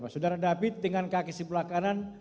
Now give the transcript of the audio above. saudara david dengan kaki sebelah kanan